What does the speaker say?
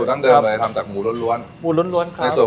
สุดั้งเดิมเลยครับทำตากหมูร้อนรวนหมูร้อนรวนครับมีส่วนผสม